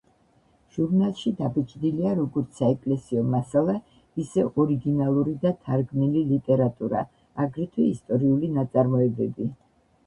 ჟურნალში დაბეჭდილია როგორც საეკლესიო მასალა, ისე ორიგინალური და თარგმნილი ლიტერატურა, აგრეთვე ისტორიული ნაწარმოებები.